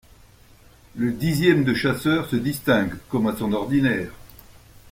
Le dixième de chasseurs se distingue comme à son ordinaire.